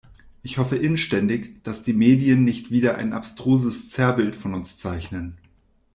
Ich hoffe inständig, dass die Medien nicht wieder ein abstruses Zerrbild von uns zeichnen.